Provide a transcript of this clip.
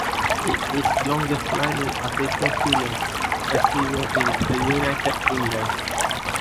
It is the longest running African film festival in the United Kingdom.